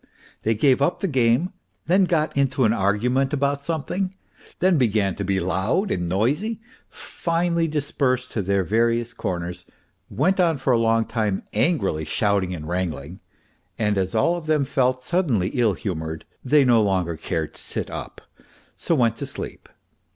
They gave up the game, then got into an argument about something, then began to be loud and noisy, finally dispersed to their various corners, went on for a long time angrily shouting and wrangling, and as all of them felt suddenly ill humoured they no longer cared to sit up, so went to sleep.